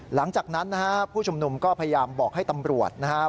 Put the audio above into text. หลังจากนั้นนะฮะผู้ชุมนุมก็พยายามบอกให้ตำรวจนะครับ